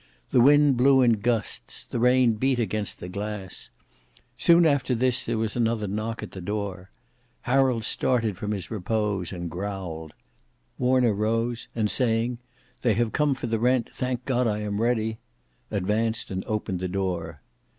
The wind blew in gusts; the rain beat against the glass. Soon after this, there was another knock at the door. Harold started from his repose, and growled. Warner rose, and saying, "they have come for the rent. Thank God, I am ready," advanced and opened the door.